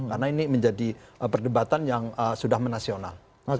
karena ini menjadi perdebatan yang sudah menasional